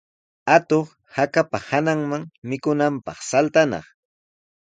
Atuq hakapa hananman mikunanpaq saltanaq.